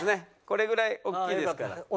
これぐらいおっきいですから。